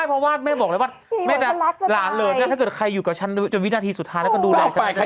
ไม่เพราะว่าแม่บอกแล้วว่าแม่ได้หลานเลยนะถ้าเกิดใครอยู่กับฉันวินาทีสุดท้ายเดี๋ยวก็ดูแลกันด้วยคุณ